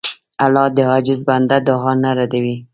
الله د عاجز بنده دعا نه ردوي.